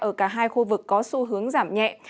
ở cả hai khu vực có xu hướng giảm nhẹ